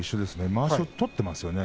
まわしを取っていますね。